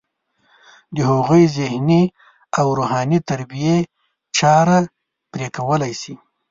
د هغوی د ذهني او روحاني تربیې چاره پرې کولی شي.